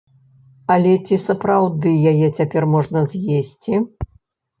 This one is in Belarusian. Але ці сапраўды яе цяпер можна з'есці?